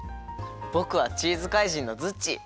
ぼくはチーズ怪人のズッチー！